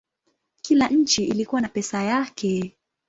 Kila nchi ilikuwa na pesa yake.